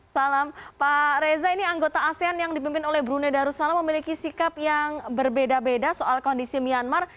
salam pak reza ini anggota asean yang dipimpin oleh brunei darussalam memiliki sikap yang berbeda beda soal kondisi myanmar